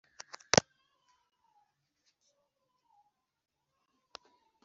kugeza ku muto. ni ibirori rero koko, by’umwihariko ku bapadiri bavuka hano i murunda